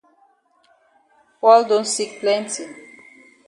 Paul don sick plenti.